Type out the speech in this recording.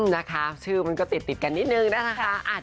นะคะชื่อมันก็ติดกันนิดนึงนะคะ